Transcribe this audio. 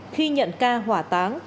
khi nhận ca hỏa táng